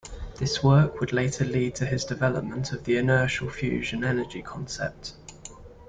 This work would later lead to his development of the inertial fusion energy concept.